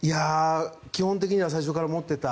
基本的には最初から持っていた。